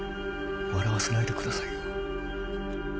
笑わせないでくださいよ。